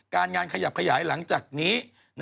งานขยับขยายหลังจากนี้